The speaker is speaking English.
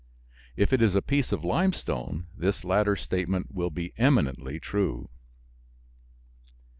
If it is a piece of limestone this latter statement will be eminently true.